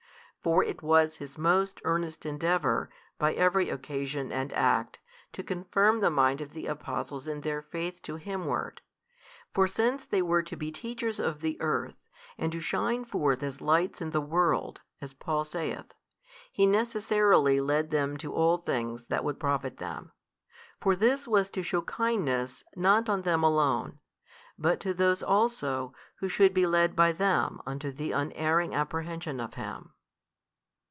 For it was His most earnest endeavour, by every occasion and act, to confirm the mind of the Apostles in their faith to Himward. For since they were to be teachers of the earth, and to shine forth as lights in the world, as Paul saith, He necessarily led them to all things that would profit them. For this was to shew kindness not on them alone, but to those also who should be led by them unto the unerring apprehension of Him.